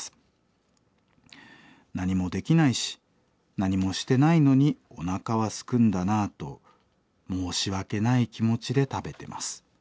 何もできないし何もしてないのにおなかはすくんだなあと申し訳ない気持ちで食べてます。